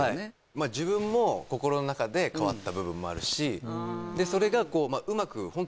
まあ自分も心の中で変わった部分もあるしんですよ